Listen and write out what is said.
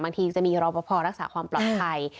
ทีจะมีรอปภรักษาความปลอดภัย